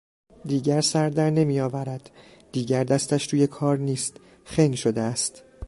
دیگر سر در نمیآورد، دیگر دستش توی کار نیست، خنگ شده است.